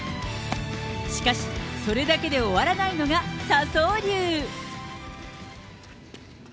しかし、それだけで終わらないのが笹生流。